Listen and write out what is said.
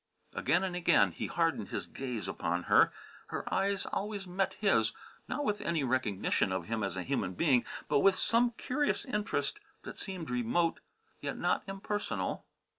Again and again he hardened his gaze upon her. Her eyes always met his, not with any recognition of him as a human being, but with some curious interest that seemed remote yet not impersonal.